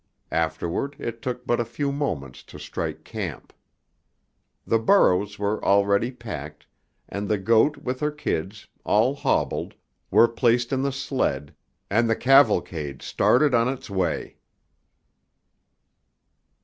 Afterward it took but a few moments to strike camp. The burros were already packed, and the goat with her kids, all hobbled, were placed in the sled, and the cavalcade started on its way.